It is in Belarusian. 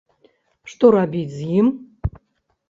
Што рабіць з ім?